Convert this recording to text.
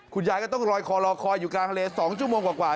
คุณยายก็ต้องลอยคอรอคอยอยู่กลางทะเล๒ชั่วโมงกว่า